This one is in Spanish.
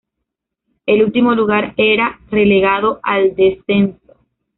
El último lugar eran relegado al descenso.